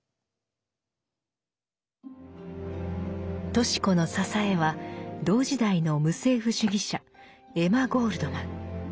とし子の支えは同時代の無政府主義者エマ・ゴールドマン。